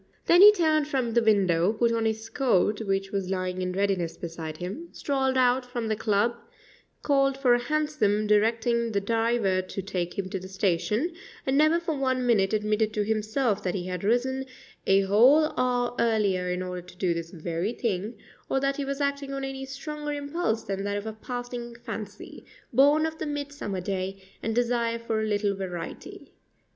Then he turned from the window, put on his coat, which was lying in readiness beside him, strolled out from the club, called for a hansom, directing the driver to take him to the station, and never for one minute admitted to himself that he had risen a whole hour earlier in order to do this very thing, or that he was acting on any stronger impulse than that of a passing fancy, born of the midsummer day, and desire for a little variety.